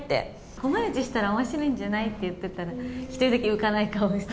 コマネチしたらおもしろいんじゃないって言ってたら、１人だけ浮かない顔して。